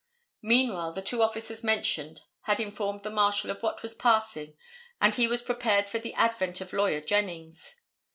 Meanwhile the two officers mentioned had informed the Marshal of what was passing and he was prepared for the advent of Lawyer Jennings.